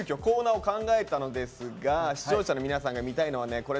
コーナーを考えたのですが視聴者の皆さんが見たいのはね